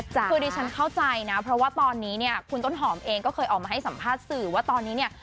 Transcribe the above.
คือดิฉันเข้าใจนะเพราะว่าตอนนี้เนี่ยคุณต้นหอมเองก็เคยออกมาให้สัมภาษณ์สื่อว่าตอนนี้เนี่ย